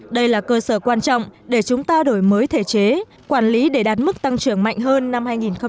đây là cơ sở quan trọng để chúng ta đổi mới thể chế quản lý để đạt mức tăng trưởng mạnh hơn năm hai nghìn hai mươi